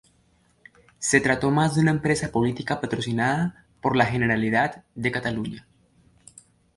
Se trató más de una empresa política patrocinada por la Generalidad de Cataluña.